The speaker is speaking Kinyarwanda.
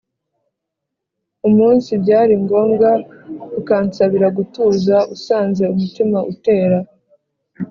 Umunsi byari ngombwa Ukansabira gutuza Usanze umutima utera